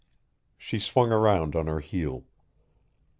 She swung around on her heel.